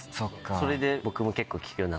それで僕も聴くように。